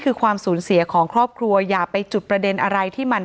คือความสูญเสียของครอบครัวอย่าไปจุดประเด็นอะไรที่มัน